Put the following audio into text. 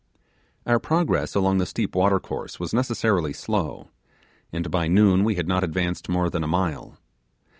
Our progress along the steep watercourse was necessarily slow, and by noon we had not advanced more than a mile.